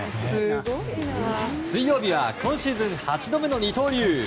水曜日は今シーズン８度目の二刀流。